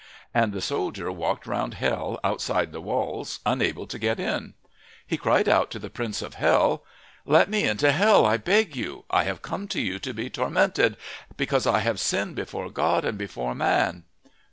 And the soldier walked round hell outside the walls, unable to get in. He cried out to the Prince of Hell: "Let me into hell, I beg you. I have come to you to be tormented, because I have sinned before God and before man."